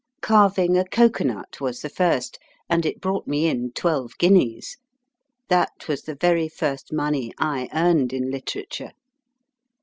Carving a Cocoanut was the first, and it brought me in twelve guineas. That was the very first money I earned in literature.